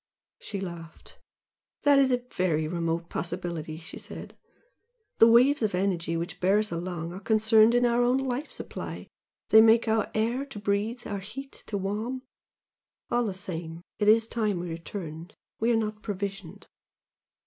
She laughed. "That is a very remote possibility!" she said "The waves of energy which bear us along are concerned in our own life supply, they make our air to breathe our heat to warm. All the same it is time we returned we are not provisioned."